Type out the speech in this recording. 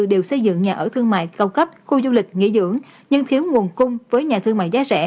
đều xây dựng nhà ở thương mại cao cấp khu du lịch nghỉ dưỡng nhưng thiếu nguồn cung với nhà thương mại giá rẻ